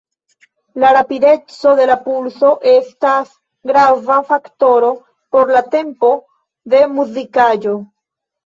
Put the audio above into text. La rapideco de la pulso estas grava faktoro por la tempo de muzikaĵo.